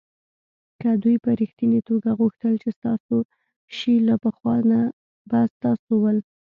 که دوی په ریښتني توگه غوښتل چې ستاسو شي له پخوا به ستاسو ول.